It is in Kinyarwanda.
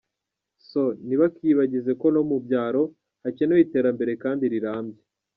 so, ntibakiyibagize ko no mubyaro hakenewe iterambere kandi rirambye.